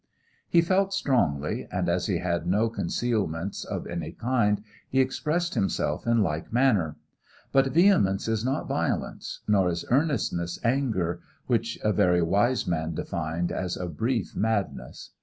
He felt strongly, and as he had no concealments of any kind, he expressed himself in like manner. But vehemence is not violence nor is earnestness anger, which a very wise man defined as a brief madness.